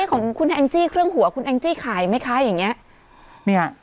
ของคุณอังจิเครื่องหัวคุณอังจิขายไม่คะอย่างเงี้ยเนี้ย